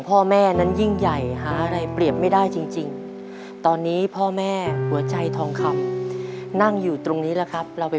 โปรดติดตามตอนต่อไป